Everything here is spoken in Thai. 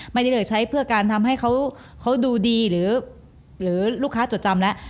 ไม่ได้เลือกใช้เพื่อการทำให้เขาดูดีหรือลูกค้าจดจำแล้ว